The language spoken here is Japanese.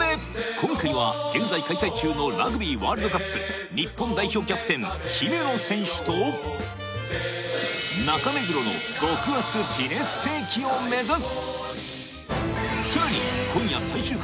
今回は現在開催中のラグビーワールドカップ日本代表キャプテン姫野選手と中目黒の極厚フィレステーキを目指す！